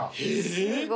えっ！